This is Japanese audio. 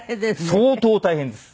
相当大変です。